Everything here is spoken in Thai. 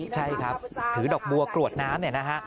ใช่ครับถือดอกบัวกรวดน้ำ